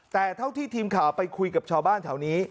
แต่เท่าที่ทีมข่าวไปคุยกับชาวบ้านแถวนี้